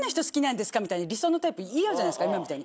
理想のタイプ言い合うじゃないですか今みたいに。